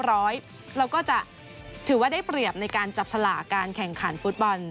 เราก็จะถือว่าได้เปรียบในการจับฉลากการแข่งขันฟุตบอล